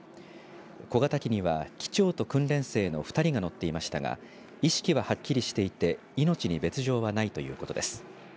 小型機には機長と訓練生の２人が乗っていましたが意識ははっきりしていて命に別状はないということです。